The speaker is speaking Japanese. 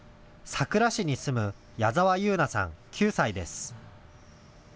佐倉市に住む矢澤佑奈さん、９歳です。